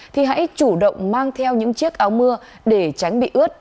thì hãy chủ động mang theo những chiếc áo mưa để tránh bị ướt